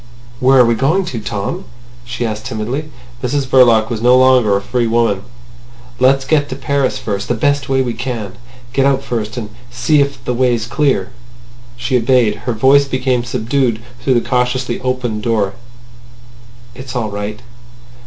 "Where are we going to, Tom?" she asked timidly. Mrs Verloc was no longer a free woman. "Let's get to Paris first, the best way we can. ... Go out first, and see if the way's clear." She obeyed. Her voice came subdued through the cautiously opened door. "It's all right."